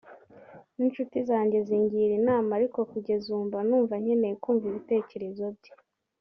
n’inshuti zanjye zingira inama ariko kugeza ubu mba numva nkeneye kumva ibitekerezo bye”